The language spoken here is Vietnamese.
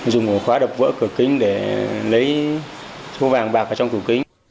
dùng một khóa đập vỡ cửa kính để lấy trùm vàng bạc vào trong cửa kính